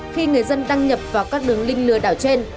khi người dân đăng nhập vào các đường link lừa đảo trên